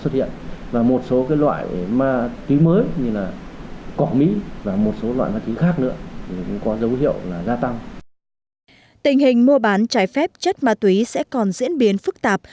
tình hình mua bán trái phép chất ma túy sẽ còn diễn biến phức tạp